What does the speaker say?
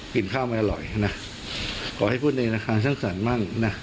ข้าวไม่อร่อยนะขอให้พูดในราคาสร้างสรรค์มั่งนะ